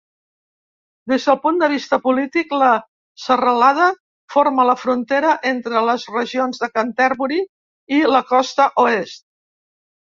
Des del punt de vista polític, la serralada forma la frontera entre les regions de Canterbury i la Costa Oest.